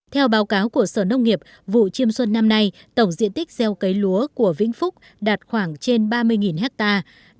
theo báo cáo của sở nông nghiệp vụ chiêm xuân năm nay tổng diện tích gieo cấy lúa của vĩnh phúc đạt khoảng trên ba mươi hectare